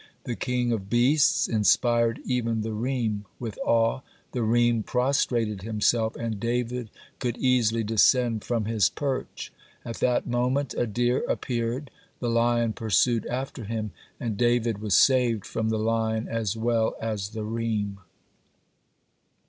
The king of beasts (16) inspired even the reem with awe. The reem prostrated himself, and David could easily descend from his perch. At that moment a deer appeared. The lion pursued after him, and David was saved from the lion as well as the reem.